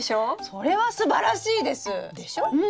それはすばらしいです！でしょ？